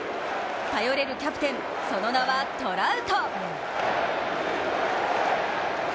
頼れるキャプテン、その名はトラウト。